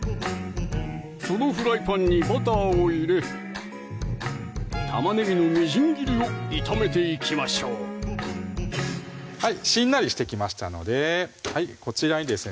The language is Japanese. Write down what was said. そのフライパンにバターを入れ玉ねぎのみじん切りを炒めていきましょうしんなりしてきましたのでこちらにですね